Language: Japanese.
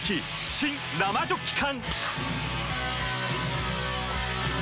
新・生ジョッキ缶！